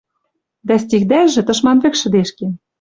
Тӹ стихдӓжӹ, тышман вӹк шӹдешкен